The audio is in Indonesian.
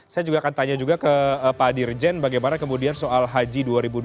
saya juga akan tanya juga ke pak dirjen bagaimana kemudian soal haji dua ribu dua puluh